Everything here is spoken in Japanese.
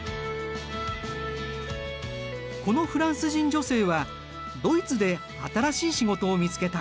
このフランス人女性はドイツで新しい仕事を見つけた。